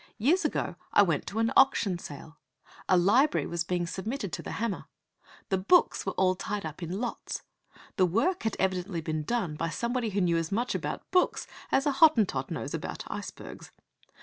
Years ago I went to an auction sale. A library was being submitted to the hammer. The books were all tied up in lots. The work had evidently been done by somebody who knew as much about books as a Hottentot knows about icebergs.